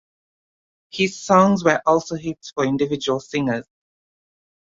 His songs were also hits for individual singers.